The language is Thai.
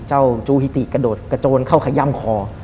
จูฮิติกระโดดกระโจนเข้าขย่ำคอ